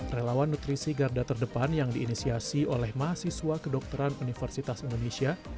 relawan nutrisi garda terdepan yang diinisiasi oleh mahasiswa kedokteran universitas indonesia